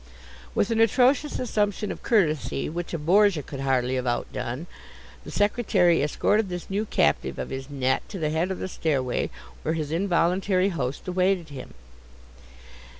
With an atrocious assumption of courtesy, which a Borgia could hardly have outdone, the secretary escorted this new captive of his net to the head of the stairway, where his involuntary host awaited him.